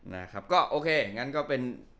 นะครับก็โอเคงั้นก็เป็น